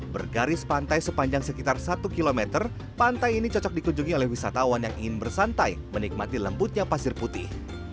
bergaris pantai sepanjang sekitar satu km pantai ini cocok dikunjungi oleh wisatawan yang ingin bersantai menikmati lembutnya pasir putih